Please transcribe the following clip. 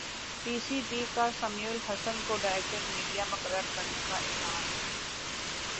پی C B کا سمیع الحسن کو director media مقرر کرنے کا اعلان